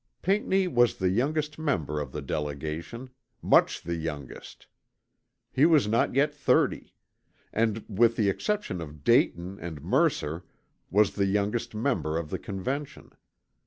Pinckney was the youngest member of the delegation much the youngest. He was not yet 30; and, with the exception of Dayton and Mercer was the youngest member of the Convention.